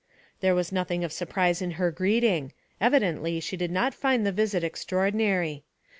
There was nothing of surprise in her greeting; evidently she did not find the visit extraordinary.